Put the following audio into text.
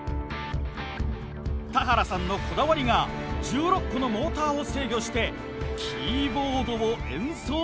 田原さんのこだわりが１６個のモーターを制御してキーボードを演奏することです。